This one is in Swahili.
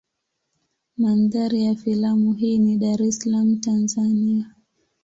Mandhari ya filamu hii ni Dar es Salaam Tanzania.